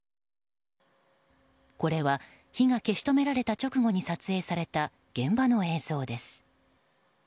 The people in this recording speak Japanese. これは火が消し止められた直後に撮影された現場の映像です。